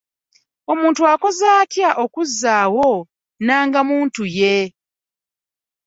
Omuntu akoze atya okuzaawo ndaga muntu ye?